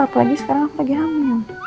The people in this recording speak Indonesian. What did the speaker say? apalagi sekarang lagi hamil